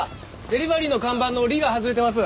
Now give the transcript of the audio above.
デリバリーの看板の「リ」が外れてます。